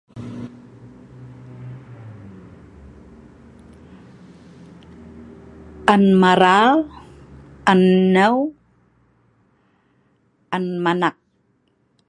An maraal, an nneu, an manaak.